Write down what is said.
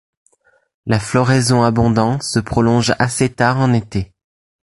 La floraison abondante se prolonge assez tard en été.